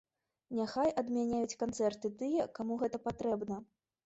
Няхай адмяняюць канцэрты тыя, каму гэта патрэбна.